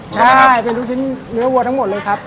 ใช่เป็นลูกชิ้นเนื้อวัวทั้งหมดเลยครับ